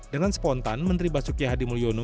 dengan spontan menteri basuki hadimulyono